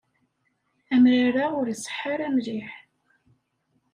Amrar-a ur iṣeḥḥa ara mliḥ.